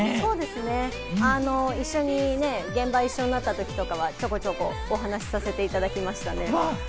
そうですね、一緒に現場一緒になったときとかは、ちょこちょこお話させていただきました。